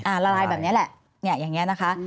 อ่าละลายแบบนี้แหละอย่างนี้นะคะ